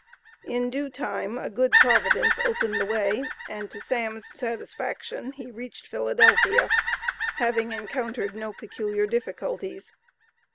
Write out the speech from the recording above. In due time a good Providence opened the way, and to "Sam's" satisfaction he reached Philadelphia, having encountered no peculiar difficulties.